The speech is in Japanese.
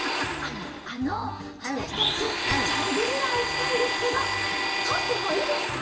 あのわたしたちジャングリラへいきたいんですけどとおってもいいですか？